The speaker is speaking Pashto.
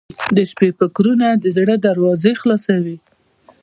• د شپې فکرونه د زړه دروازې خلاصوي.